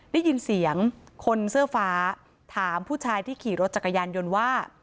ได้ยินเสียงคนเสื้อฟ้าถามผู้ชายที่ขี่รถจักรยานยนต์ว่า